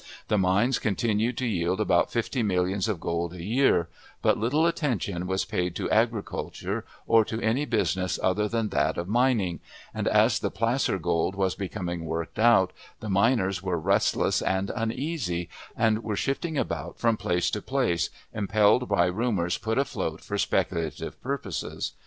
The mines continued to yield about fifty millions of gold a year; but little attention was paid to agriculture or to any business other than that of "mining," and, as the placer gold was becoming worked out, the miners were restless and uneasy, and were shifting about from place to place, impelled by rumors put afloat for speculative purposes.